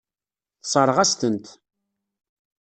Tessṛeɣ-as-tent.